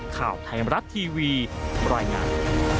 ข่าวไทยมรัฐทีวีรายงาน